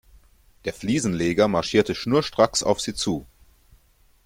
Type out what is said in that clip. Der Fliesenleger marschierte schnurstracks auf sie zu.